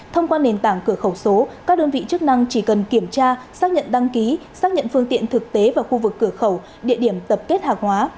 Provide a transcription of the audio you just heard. thông qua nền tảng cửa khẩu số các đơn vị chức năng chỉ cần kiểm tra xác nhận đăng ký xác nhận phương tiện thực tế vào khu vực cửa khẩu địa điểm tập kết hàng hóa